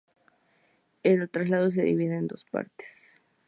El tratado se divide en dos partes.